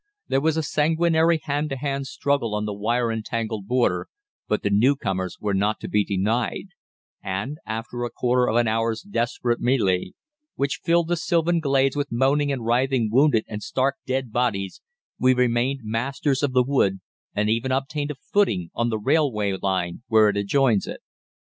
There was a sanguinary hand to hand struggle on the wire entangled border, but the newcomers were not to be denied, and, after a quarter of an hour's desperate mêlée, which filled the sylvan glades with moaning and writhing wounded and stark dead bodies, we remained masters of the wood, and even obtained a footing on the railway line where it adjoins it.